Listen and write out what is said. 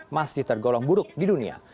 masih tergolong buruk di dunia